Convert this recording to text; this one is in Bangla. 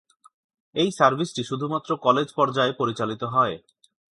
এই সার্ভিসটি শুধুমাত্র কলেজ পর্যায়ে পরিচালিত হয়।